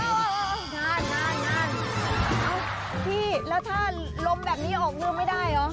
เอ้าพี่แล้วถ้าลมแบบนี้ออกเรือไม่ได้เหรอ